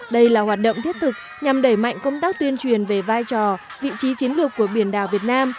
đây là hoạt động thiết thực nhằm đẩy mạnh công tác tuyên truyền về vai trò vị trí chiến lược của biển đảo việt nam